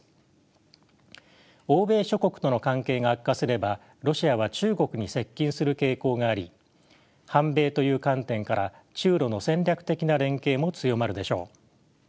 欧米諸国との関係が悪化すればロシアは中国に接近する傾向があり反米という観点から中ロの戦略的な連携も強まるでしょう。